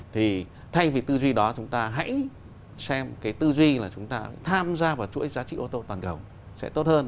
thì thay vì tư duy đó chúng ta hãy xem cái tư duy là chúng ta tham gia vào chuỗi giá trị ô tô toàn cầu sẽ tốt hơn